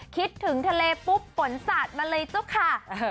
คิดถึงทะเลปุ๊บปล่นสัตว์มาเลยจุ๊บค่ะ